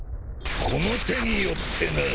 この手によってな！